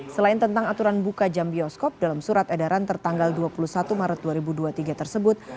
selain tentang aturan buka jam bioskop dalam surat edaran tertanggal dua puluh satu maret dua ribu dua puluh tiga tersebut